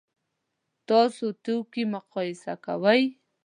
تاسو توکي مقایسه کوئ؟